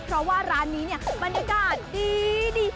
เพราะว่าร้านนี้เนี่ยบรรยากาศดี